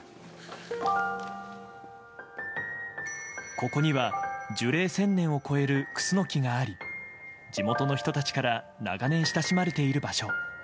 ここには樹齢１０００年のくすの木があり地元の人たちから長年、親しまれている場所。